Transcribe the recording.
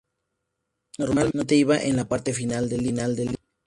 Normalmente iba en la parte final del libro.